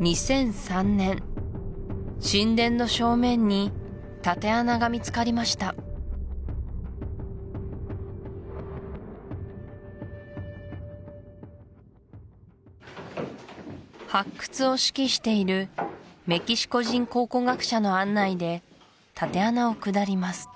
２００３年神殿の正面に縦穴が見つかりました発掘を指揮しているメキシコ人考古学者の案内で縦穴を下ります